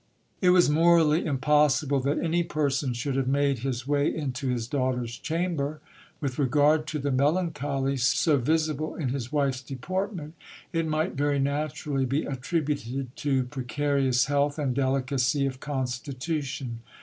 It was morally impossible that any person should have made his way into his daughter's chamber. With regard to the melan choly, so visible in his wife's deportment, it might very naturally be attributed to precarious health and delicacy of constitution.